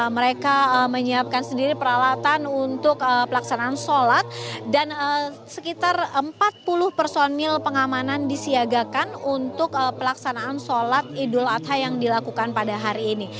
mereka menyiapkan sendiri peralatan untuk pelaksanaan sholat dan sekitar empat puluh personil pengamanan disiagakan untuk pelaksanaan sholat idul adha yang dilakukan pada hari ini